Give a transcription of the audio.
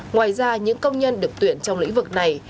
ngoài ra những công nhân được tuyển trong lĩnh vực này